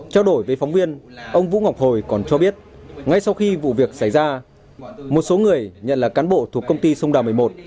trao đổi với phóng viên ông vũ ngọc hồi còn cho biết ngay sau khi vụ việc xảy ra một số người nhận là cán bộ thuộc công ty sông đà một mươi một